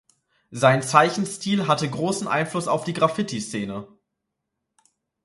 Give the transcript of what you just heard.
Sein Zeichenstil hatte großen Einfluss auf die Graffitiszene.